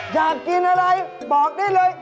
อยากกินอะไรบอกได้เลย